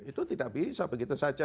itu tidak bisa begitu saja